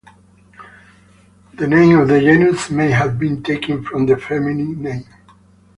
The name of the genus may have been taken from the feminine name.